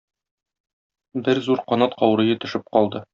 Бер зур канат каурые төшеп калды.